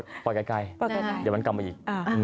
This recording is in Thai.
เดี๋ยวมันกลับมาอีก